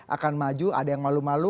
akan maju ada yang malu malu